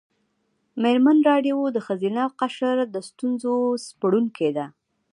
مېرمن راډیو د ښځینه قشر د ستونزو سپړونکې ده.